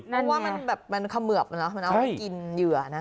เพราะว่ามันคำเหมือบน้ะเอาให้กินเหยื่อนะ